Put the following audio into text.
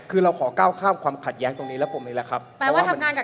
คือเราขอก้าวข้าบความขัดแย้งตรงนี้แล้ว